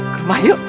ke rumah yuk